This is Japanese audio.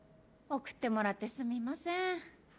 送ってもらってすみません。